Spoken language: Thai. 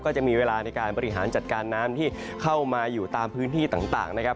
จะมีเวลาในการบริหารจัดการน้ำที่เข้ามาอยู่ตามพื้นที่ต่างนะครับ